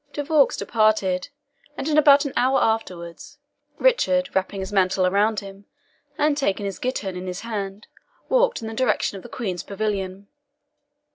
De Vaux departed, and in about an hour afterwards, Richard, wrapping his mantle around him, and taking his ghittern in his hand, walked in the direction of the Queen's pavilion.